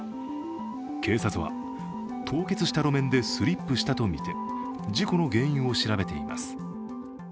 警察は凍結した路面でスリップしたとみて事故の原因を調べています。